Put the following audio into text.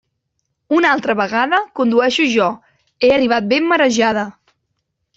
Una altra vegada condueixo jo; he arribat ben marejada.